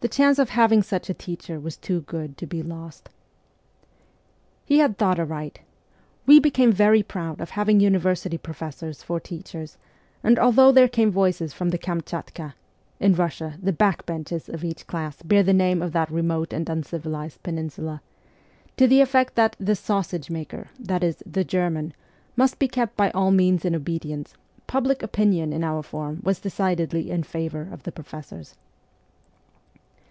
The chance of having such a teacher was too good to be lost. He had thought aright. We became very proud of having university professors for teachers, and although there came voices from the Kamchatka (in Russia, the back benches of each class bear the name of that remote and uncivilized peninsula) to the effect that ' the sausage maker ' that is, the German must be kept by all means in obedience, public opinion in our form was decidedly in favour of the professors.